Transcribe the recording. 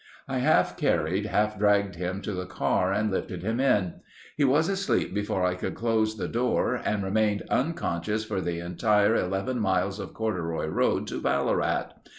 I half carried, half dragged him to the car and lifted him in. He was asleep before I could close the door and remained unconscious for the entire 11 miles of corduroy road to Ballarat.